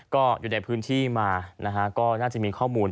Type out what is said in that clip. ก็อยู่ในพื้นที่มานะฮะก็น่าจะมีข้อมูล